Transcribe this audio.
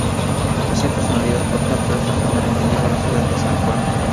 Posee personalidad propia pero está permanentemente ligado a la ciudad de San Juan.